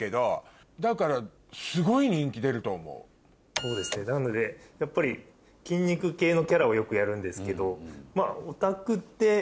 そうですねなのでやっぱり筋肉系のキャラをよくやるんですけど。